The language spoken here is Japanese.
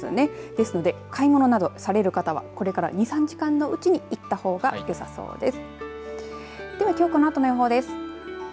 ですので、買い物などされる方はこれから２、３時間のうちに行った方がよさそうです。